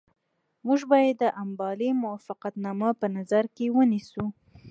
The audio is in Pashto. موږ باید د امبالې موافقتنامه په نظر کې ونیسو.